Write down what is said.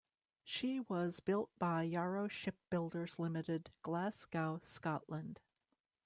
She was built by Yarrow Shipbuilders Limited, Glasgow, Scotland.